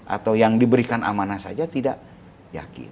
atau yang diberikan amanah saja tidak yakin